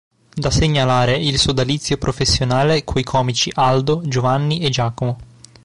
Da segnalare il sodalizio professionale coi comici Aldo, Giovanni e Giacomo.